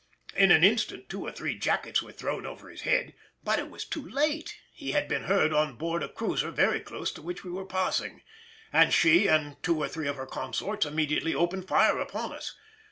In an instant two or three jackets were thrown over his head; but it was too late; he had been heard on board a cruiser very close to which we were passing, and she and two or three of her consorts immediately opened fire upon us.